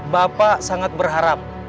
bapak sangat berharap